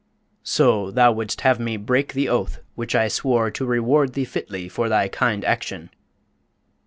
"So thou wouldst have me break the oath which I swore to reward thee fitly for thy kind action?"